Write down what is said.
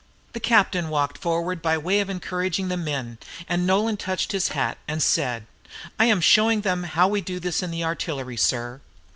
The captain walked forward by way of encouraging the men, and Nolan touched his hat and said, "I am showing them how we do this in the artillery, sir."